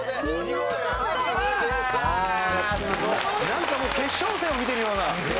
なんかもう決勝戦を見ているような。